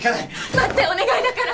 待ってお願いだから！